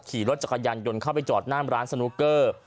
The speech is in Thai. ขี่รถจักรยานยนต์เข้าไปจอดหน้ามร้านสนุกเกอร์